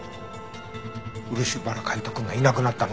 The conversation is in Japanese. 漆原海斗くんがいなくなったの？